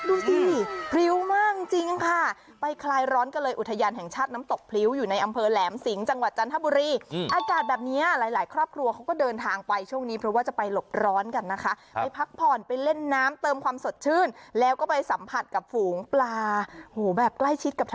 ดูสิพริ้วมากจริงค่ะไปคลายร้อนกันเลยอุทยานแห่งชาติน้ำตกพริ้วอยู่ในอำเภอแหลมสิงห์จังหวัดจันทบุรีอากาศแบบนี้หลายหลายครอบครัวเขาก็เดินทางไปช่วงนี้เพราะว่าจะไปหลบร้อนกันนะคะไปพักผ่อนไปเล่นน้ำเติมความสดชื่นแล้วก็ไปสัมผัสกับฝูงปลาหูแบบใกล้ชิดกับท